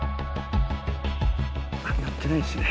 鳴ってないですね。